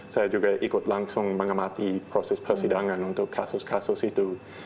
saya juga ikut langsung mengamati proses persidangan untuk kasus kasus itu